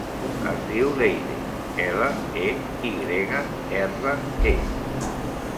Es diu Leyre: ela, e, i grega, erra, e.